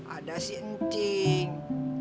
ada si ncing